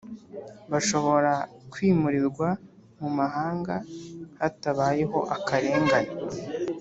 bashobora kwimurirwa mu mahanga hatabayemo akarengane